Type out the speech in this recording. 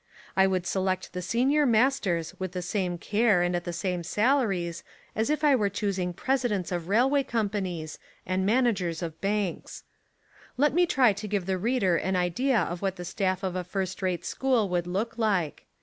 I would select the senior masters with the same care and at the same salaries as if I were choosing presidents l8i Essays and Literary Studies of railway companies and managers of banks. Let me try to give the reader an idea of what the staff of a first rate school would look like.